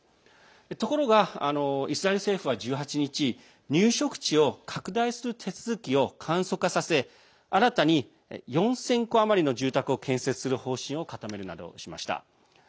ところがイスラエル政府は１８日入植地を拡大する手続きを簡素化させ新たに４０００戸余りの住宅を建設する方針を固めるなどしました。